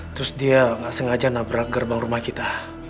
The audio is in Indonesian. terus dia nggak sengaja nabrak gerbang rumah kita